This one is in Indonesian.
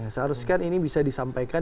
seharusnya ini bisa disampaikan